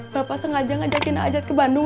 bapak sengaja ngajakin ajat ke bandung